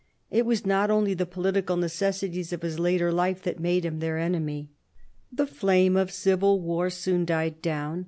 It was not only 5 66 CARDINAL DE RICHELIEU the political necessities of his later life that made him their enemy. The flame of civil war soon died down.